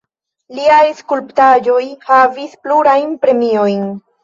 Liaj skulptaĵoj havis plurajn premiojn.